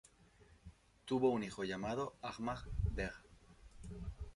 Tuvo un hijo llamado Ahmad Beg.